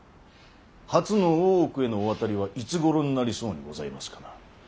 初の大奥へのお渡りはいつごろになりそうにございますかな。